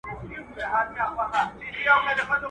اسي پوهېږي، خپل ئې دوږخ.